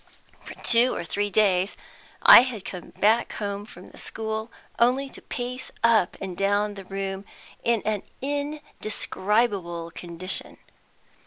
For two or three days I had come back home from the school only to pace up and down the room in an indescribable condition.